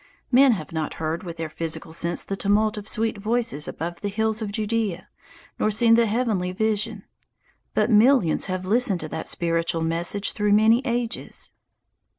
Men have not heard with their physical sense the tumult of sweet voices above the hills of Judea nor seen the heavenly vision; but millions have listened to that spiritual message through many ages.